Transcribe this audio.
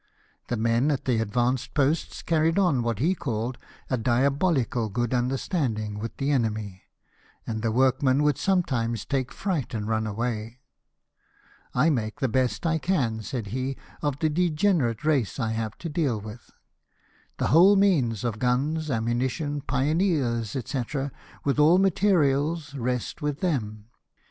The men at the advanced posts carried on what he called '' a diabolical good understanding " with the enemy, and the workmen would sometimes take fright and run away. "I make the best I can," said he, " of the degenerate race I have to deal with ; the whole means of guns, ammunition, pioneers, &c., with all materials, rest with them.